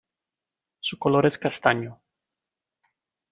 Su color es castaño.